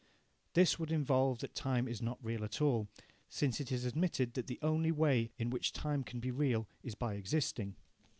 This would involve that time is not real at all, since it is admitted that, the only way in which time can be real is by existing.